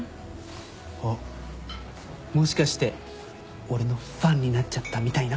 あっもしかして俺のファンになっちゃったみたいな？